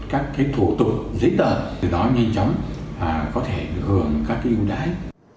các thủ tục giấy tờ từ đó nhanh chóng có thể được hưởng các ưu đãi